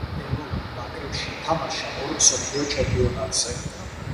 მან ეროვნულ ნაკრებში ითამაშა ორ მსოფლიო ჩემპიონატზე.